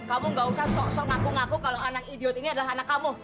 kamu gak usah ngaku ngaku kalau anak idiot ini adalah anak kamu